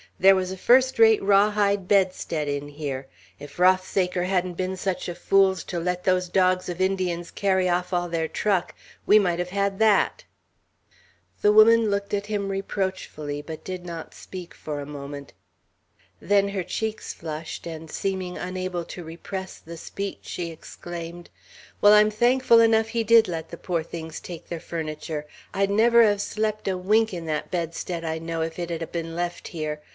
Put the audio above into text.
There was a first rate raw hide bedstead in here. If Rothsaker hadn't been such a fool's to let those dogs of Indians carry off all their truck, we might have had that!" The woman looked at him reproachfully, but did not speak for a moment. Then her cheeks flushed, and seeming unable to repress the speech, she exclaimed, "Well, I'm thankful enough he did let the poor things take their furniture. I'd never have slept a wink an that bedstead, I know, if it had ha' been left here.